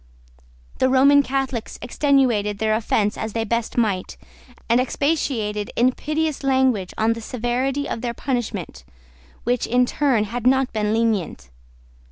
The Roman Catholics extenuated their offense as they best might, and expatiated in piteous language on the severity of their punishment, which, in truth, had not been lenient.